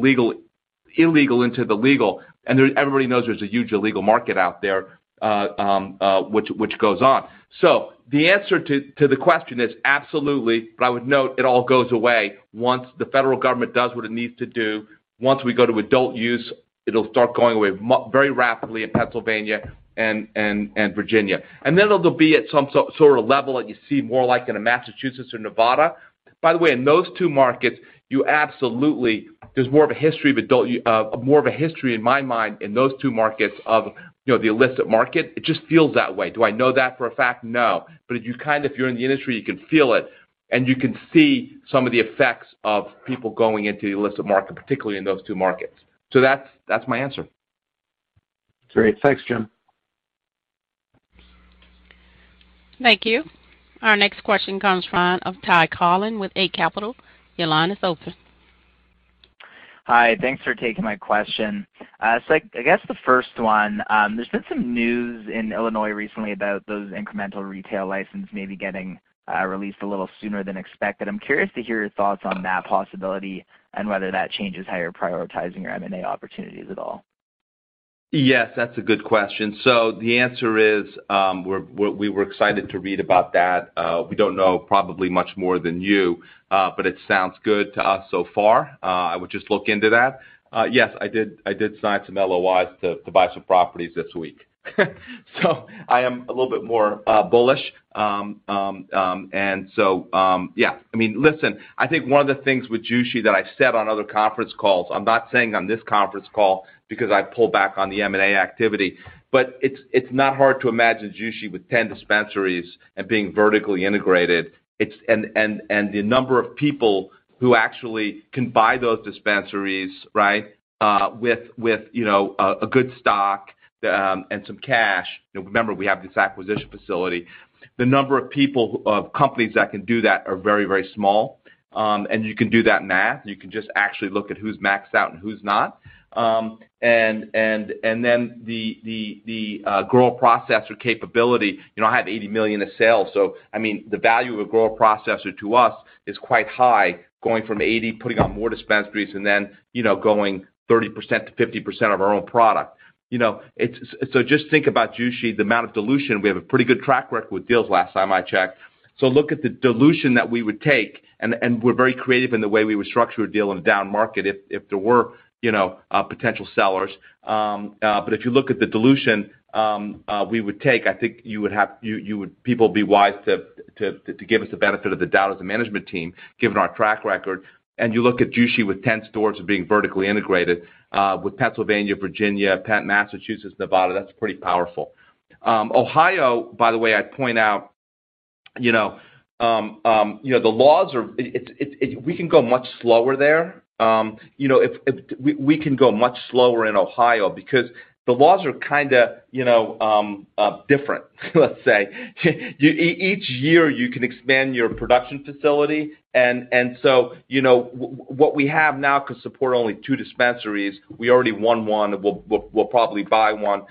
illegal into the legal. Everybody knows there's a huge illegal market out there, which goes on. The answer to the question is absolutely. I would note it all goes away once the federal government does what it needs to do. Once we go to adult use, it'll start going away very rapidly in Pennsylvania and Virginia. Then it'll be at some sort of level that you see more like in Massachusetts or Nevada. By the way, in those two markets, you absolutely, there's more of a history in my mind in those two markets of the illicit market. It just feels that way. Do I know that for a fact? No. If you're in the industry, you can feel it and you can see some of the effects of people going into the illicit market, particularly in those two markets. That's my answer. Great. Thanks, Jim. Thank you. Our next question comes from Ty Collin with Eight Capital. Your line is open. Hi. Thanks for taking my question. I guess the first one, there's been some news in Illinois recently about those incremental retail license maybe getting released a little sooner than expected. I'm curious to hear your thoughts on that possibility and whether that changes how you're prioritizing your M&A opportunities at all. Yes, that's a good question. The answer is, we were excited to read about that. We don't know probably much more than you, but it sounds good to us so far. I would just look into that. Yes, I did sign some LOIs to buy some properties this week. I am a little bit more bullish. Yeah. I mean, listen, I think one of the things with Jushi that I said on other conference calls, I'm not saying on this conference call because I pulled back on the M&A activity, but it's not hard to imagine Jushi with 10 dispensaries and being vertically integrated. The number of people who actually can buy those dispensaries, right with a good stock and some cash. Remember, we have this acquisition facility. The number of people, of companies that can do that are very, very small. You can do that math. You can just actually look at who's maxed out and who's not. Then the grow processor capability I have $80 million in sales. I mean, the value of a grow processor to us is quite high. Going from $80 million, putting on more dispensaries, and then going 30%-50% of our own product. Just think about Jushi, the amount of dilution. We have a pretty good track record with deals last time I checked. Look at the dilution that we would take and we're very creative in the way we would structure a deal in a down market if there were potential sellers. If you look at the dilution we would take, I think you would have. People would be wise to give us the benefit of the doubt as a management team, given our track record. You look at Jushi with 10 stores being vertically integrated with Pennsylvania, Virginia, Massachusetts, Nevada, that's pretty powerful. Ohio, by the way, I'd point out the laws are. We can go much slower there. If we can go much slower in Ohio because the laws are kinda different, let's say. Each year you can expand your production facility and what we have now could support only two dispensaries. We already won one. We'll probably buy one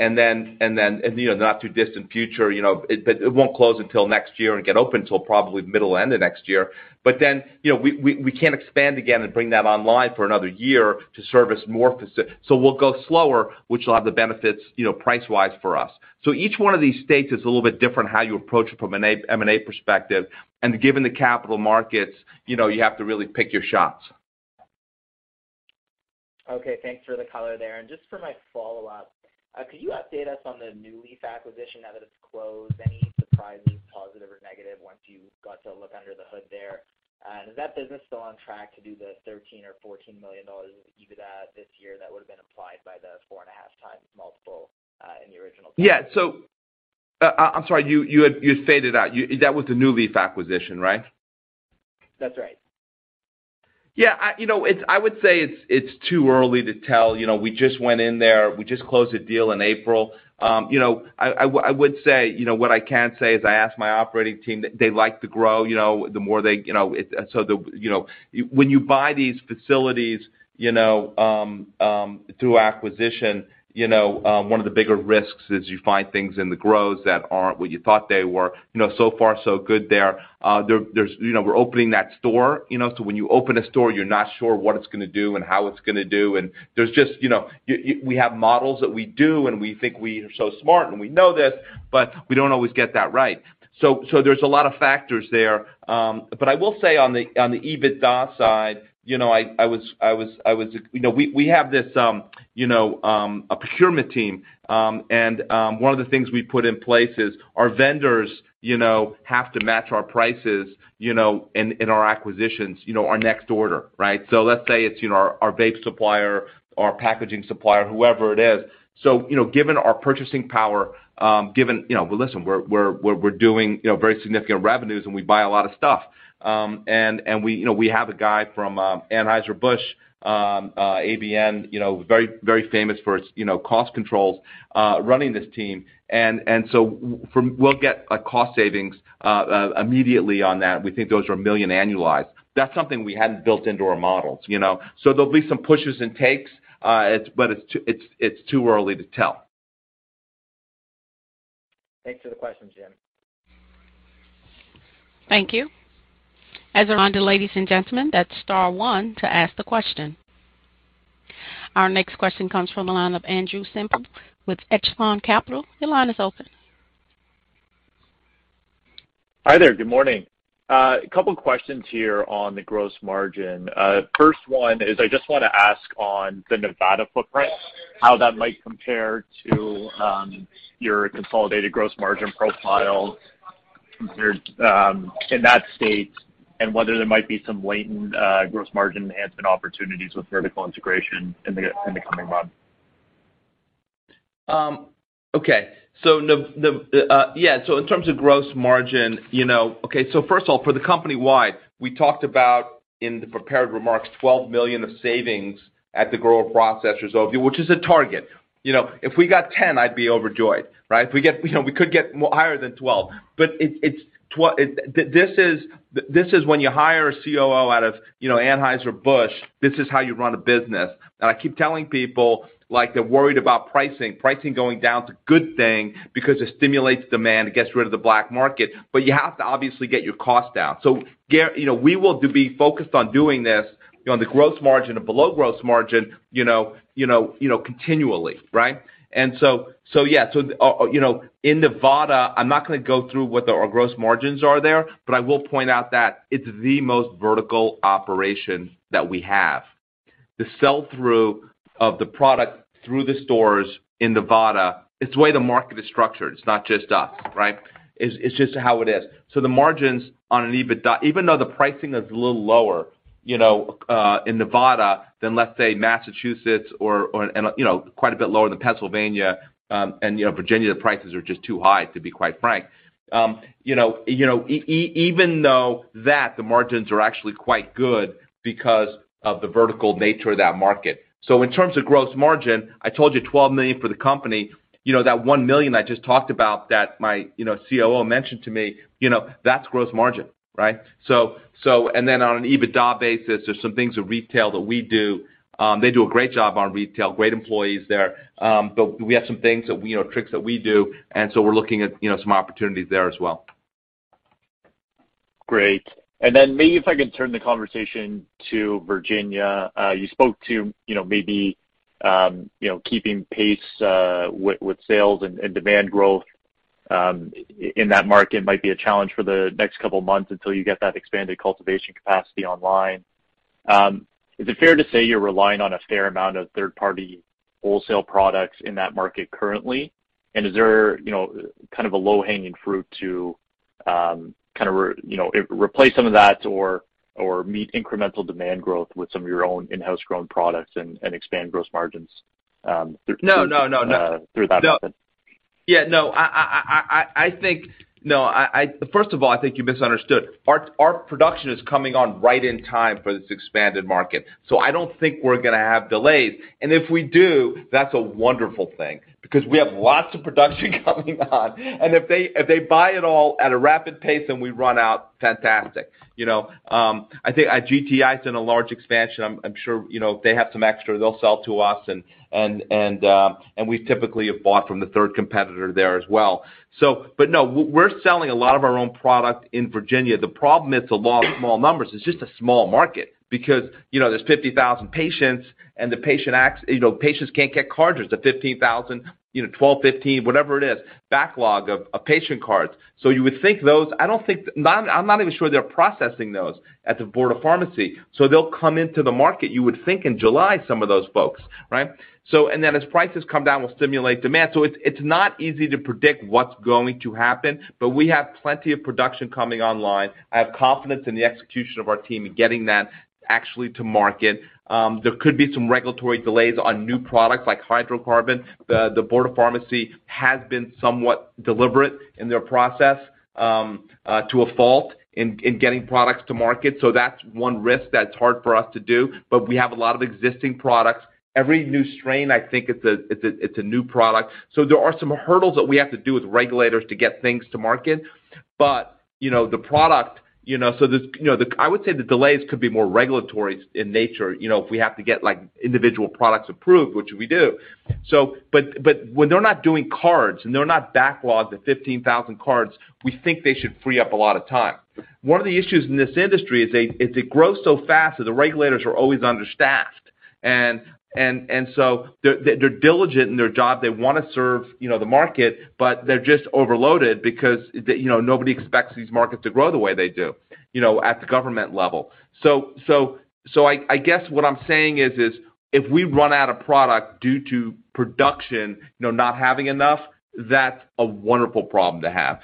and then in the not too distant future, it won't close until next year and get open till probably middle, end of next year. We can't expand again and bring that online for another year to service more. We'll go slower, which will have the benefits, price-wise for us. Each one of these states is a little bit different, how you approach it from an M&A perspective, and given the capital markets, you have to really pick your shots. Okay, thanks for the color there. Just for my follow-up, could you update us on the NuLeaf, Inc. acquisition now that it's closed? Any surprises, positive or negative, once you got to look under the hood there? Is that business still on track to do the $13 million or $14 million of EBITDA this year that would've been applied by the 4.5x multiple in the original target? Yeah, I'm sorry. You stated that. That was the NuLeaf, Inc. acquisition, right? That's right. Yeah. I would say it's too early to tell, we just went in there. We just closed the deal in April. I would say what I can say is I asked my operating team. They'd like to grow the more they it. So when you buy these facilities through acquisition one of the bigger risks is you find things in the grows that aren't what you thought they were. So far so good, we're opening that store. When you open a store, you're not sure what it's gonna do and how it's gonna do, and there's just we have models that we do, and we think we are so smart, and we know this, but we don't always get that right. There's a lot of factors there. But I will say on the EBITDA side we have this a procurement team, and one of the things we put in place is our vendors have to match our prices in our acquisitions our next order, right? Let's say it's our vape supplier or our packaging supplier, whoever it is. Given our purchasing power, given well, we're doing very significant revenues, and we buy a lot of stuff. And we have a guy from Anheuser-Busch, AB InBev, very famous for its cost controls, running this team. We'll get a cost savings immediately on that. We think those are $1 million annualized. That's something we hadn't built into our models. There'll be some pushes and takes, but it's too early to tell. Thanks for the question, Jim. Thank you. As a reminder, ladies and gentlemen, that's star one to ask the question. Our next question comes from the line of Andrew Semple with Echelon Capital Markets. Your line is open. Hi there. Good morning. A couple questions here on the gross margin. First one is I just wanna ask on the Nevada footprint, how that might compare to your consolidated gross margin profile compared in that state and whether there might be some latent gross margin enhancement opportunities with vertical integration in the coming months. In terms of gross margin, so first of all, for the company-wide, we talked about in the prepared remarks, $12 million of savings at the grower processor level, which is a target. If we got 10, I'd be overjoyed, right? If we could get more higher than 12, but it's 12. This is when you hire a COO out of Anheuser-Busch, this is how you run a business. I keep telling people, like, they're worried about pricing. Pricing going down is a good thing because it stimulates demand. It gets rid of the black market. But you have to obviously get your cost down. We will be focused on doing this on the gross margin and below gross margin continually, right? In Nevada, I'm not gonna go through what our gross margins are there, but I will point out that it's the most vertical operation that we have. The sell-through of the product through the stores in Nevada, it's the way the market is structured. It's not just us, right? It's just how it is. The margins on an EBITDA, even though the pricing is a little lower in Nevada than, let's say, Massachusetts, and quite a bit lower than Pennsylvania and Virginia, the prices are just too high, to be quite frank. Even though that the margins are actually quite good because of the vertical nature of that market. In terms of gross margin, I told you $12 million for the company that $1 million I just talked about that my COO mentioned to me that's gross margin, right? And then on an EBITDA basis, there's some things with retail that we do. They do a great job on retail, great employees there. But we have some things that we know, tricks that we do, and so we're looking at some opportunities there as well. Great. Then maybe if I could turn the conversation to Virginia. You spoke to maybe keeping pace with sales and demand growth in that market might be a challenge for the next couple of months until you get that expanded cultivation capacity online. Is it fair to say you're relying on a fair amount of third-party wholesale products in that market currently? Is there kind of a low-hanging fruit to kind of replace some of that or meet incremental demand growth with some of your own in-house grown products and expand gross margins through. No. through that method? Yeah, no. I think no. First of all, I think you misunderstood. Our production is coming on right in time for this expanded market, so I don't think we're gonna have delays. If we do, that's a wonderful thing because we have lots of production coming on. If they buy it all at a rapid pace and we run out, fantastic. I think GTI has done a large expansion. I'm sure, if they have some extra, they'll sell to us and we typically have bought from the third competitor there as well. But no, we're selling a lot of our own product in Virginia. The problem is the law of small numbers. It's just a small market because there's 50,000 patients and patients can't get cards. There's a 15,000, you know, 12, 15, whatever it is, backlog of patient cards. You would think those. I'm not even sure they're processing those at the Ohio Board of Pharmacy. They'll come into the market, you would think, in July, some of those folks, right? As prices come down, we'll stimulate demand. It's not easy to predict what's going to happen, but we have plenty of production coming online. I have confidence in the execution of our team in getting that actually to market. There could be some regulatory delays on new products like hydrocarbon. The Ohio Board of Pharmacy has been somewhat deliberate in their process to a fault in getting products to market. That's one risk that's hard for us to model. We have a lot of existing products. Every new strain, I think, is a new product. There are some hurdles that we have to deal with regulators to get things to market. I would say the delays could be more regulatory in nature if we have to get, like, individual products approved, which we do. When they're not doing cards and they're not backlogged at 15,000 cards, we think they should free up a lot of time. One of the issues in this industry is that it grows so fast that the regulators are always understaffed. They're diligent in their job. They wanna serve the market, but they're just overloaded because nobody expects these markets to grow the way they do at the government level. I guess what I'm saying is if we run out of product due to production not having enough, that's a wonderful problem to have.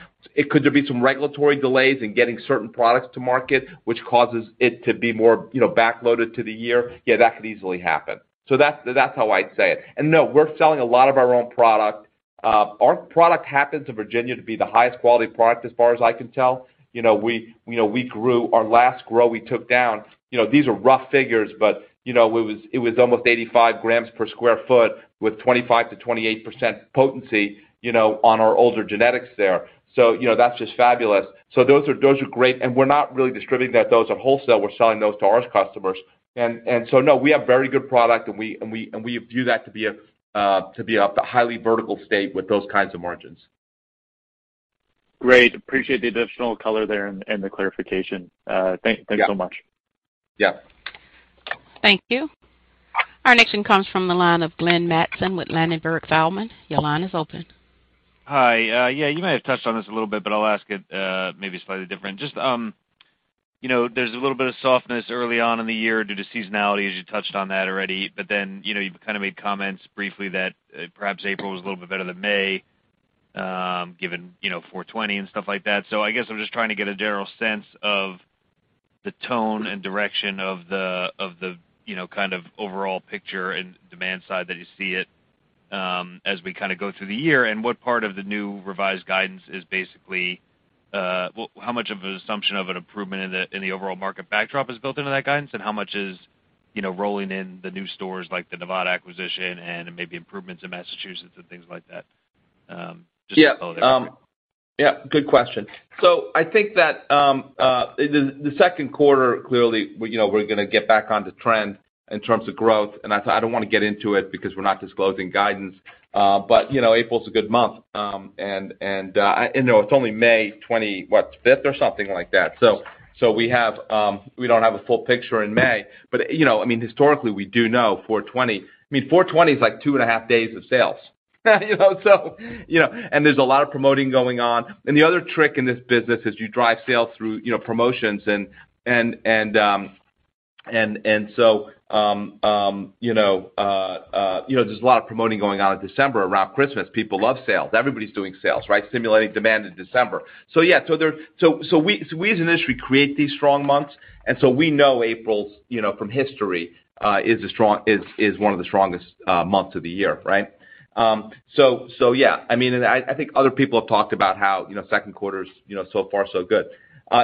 Could there be some regulatory delays in getting certain products to market which causes it to be more backloaded to the year? Yeah, that could easily happen. That's how I'd say it. No, we're selling a lot of our own product. Our product happens in Virginia to be the highest quality product as far as I can tell we grew our last grow we took down these are rough figures, but it was almost 85 grams per sq ft with 25%-28% potency on our older genetics there, that's just fabulous. Those are great, and we're not really distributing those at wholesale. We're selling those to our customers. No, we have very good product, and we view that to be a highly vertical state with those kinds of margins. Great. Appreciate the additional color there and the clarification. Thanks so much. Yeah. Thank you. Our next question comes from the line of Glenn Mattson with Ladenburg Thalmann. Your line is open. Hi. Yeah, you may have touched on this a little bit, but I'll ask it, maybe slightly different. Just there's a little bit of softness early on in the year due to seasonality, as you touched on that already. You kind of made comments briefly that, perhaps April was a little bit better than May, given four twenty and stuff like that. I guess I'm just trying to get a general sense of the tone and direction of the, kind of overall picture and demand side that you see it, as we kinda go through the year. What part of the new revised guidance is basically, well, how much of an assumption of an improvement in the overall market backdrop is built into that guidance, and how much is rolling in the new stores like the Nevada acquisition and maybe improvements in Massachusetts and things like that? Yeah. Yeah, good question. I think that the second quarter, clearly, we're gonna get back on to trend in terms of growth, and I don't wanna get into it because we're not disclosing guidance. April's a good month, it's only May 20, what, 5th or something like that. We have we don't have a full picture in May. I mean, historically, we do know 4/20. I mean, 4/20 is like 2.5 days of sales, and there's a lot of promoting going on. The other trick in this business is you drive sales through promotions and so there's a lot of promoting going on in December around Christmas. People love sales. Everybody's doing sales, right? Stimulating demand in December. Yeah, we as an industry create these strong months, and we know April's from history, is one of the strongest months of the year, right? Other people have talked about how second quarter is so far so good.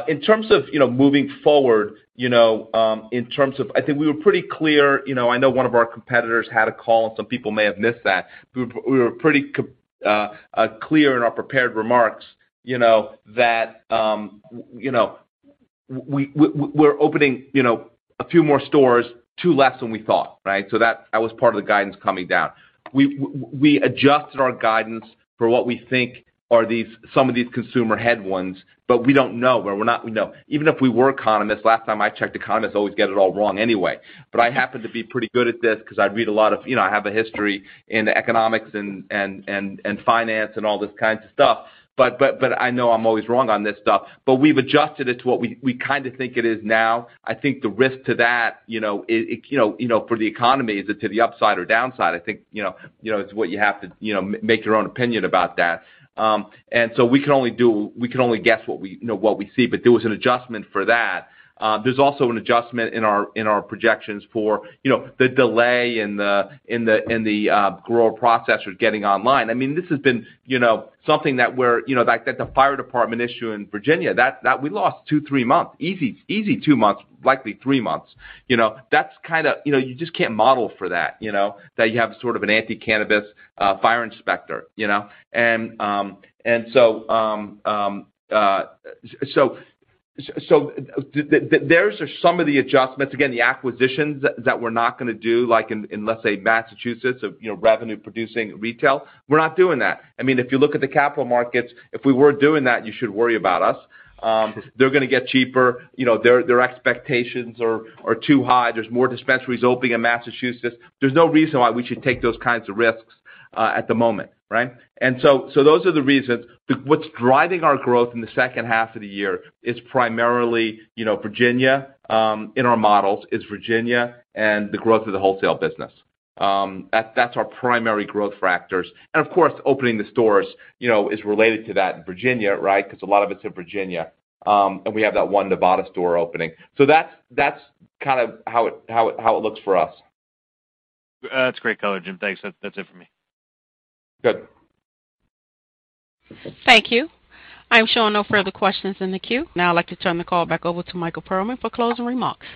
In terms of moving forward, I think we were pretty clear. I know one of our competitors had a call, and some people may have missed that. We were pretty clear in our prepared remarks, that we're opening a few more stores, two less than we thought, right? That was part of the guidance coming down. We adjusted our guidance for what we think are these some of these consumer headwinds, but we don't know. We're not, we know. Even if we were economists, last time I checked, economists always get it all wrong anyway. I happen to be pretty good at this because I read a lot of I have a history in economics and finance and all this kinds of stuff. I know I'm always wrong on this stuff. We've adjusted it to what we kinda think it is now. I think the risk to that for the economy, is it to the upside or downside? I think it's what you have to make your own opinion about that. We can only guess what we see, but there was an adjustment for that. There's also an adjustment in our projections for the delay in the grower processors getting online. I mean, this has been something that we're like the fire department issue in Virginia that we lost 2-3 months easy, two months, likely three months. You know, that's kinda you just can't model for that you have sort of an anti-cannabis fire inspector? So there are some of the adjustments. Again, the acquisitions that we're not gonna do, like in, let's say, Massachusetts of revenue producing retail, we're not doing that. I mean, if you look at the capital markets, if we were doing that, you should worry about us. They're gonna get cheaper, their expectations are too high. There's more dispensaries opening in Massachusetts. There's no reason why we should take those kinds of risks at the moment, right? So those are the reasons. What's driving our growth in the second half of the year is primarily Virginia in our models. It's Virginia and the growth of the wholesale business. That's our primary growth factors. Of course, opening the stores is related to that in Virginia, right? 'Cause a lot of it's in Virginia. We have that one Nevada store opening. That's kind of how it looks for us. That's great color, Jim. Thanks. That's it for me. Good. Thank you. I'm showing no further questions in the queue. Now I'd like to turn the call back over to Michael Perlman for closing remarks.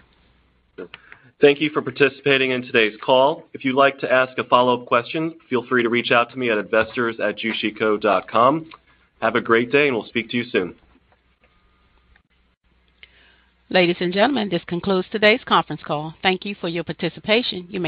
Thank you for participating in today's call. If you'd like to ask a follow-up question, feel free to reach out to me at investors@jushico.com. Have a great day, and we'll speak to you soon. Ladies and gentlemen, this concludes today's conference call. Thank you for your participation. You may disconnect.